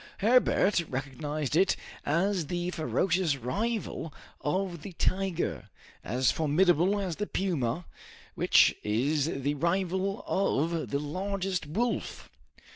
Herbert recognized it as the ferocious rival of the tiger, as formidable as the puma, which is the rival of the largest wolf!